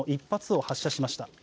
１発を発射しました。